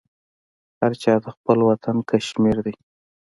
هرچاته خپل وطن کشمیردی